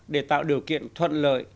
để tạo điều kiện thuận lợi